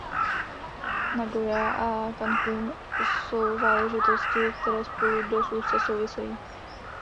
Nagoja a Cancún jsou záležitosti, které spolu dost úzce souvisejí.